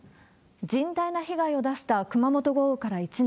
甚大な被害を出した熊本豪雨から１年。